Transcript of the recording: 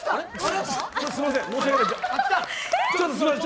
すいません！